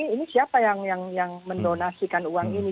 ini siapa yang mendonasikan uang ini